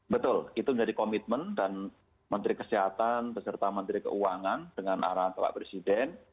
betul itu menjadi komitmen dan menteri kesehatan beserta menteri keuangan dengan arahan bapak presiden